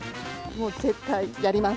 もう絶対やります。